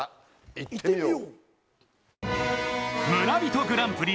行ってみよう！